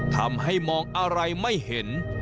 ทำให้มองอะไรไม่เห็น